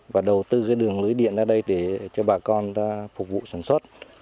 và đầu tư cái đường lưới điện ra đây để cho bà con phục vụ sản xuất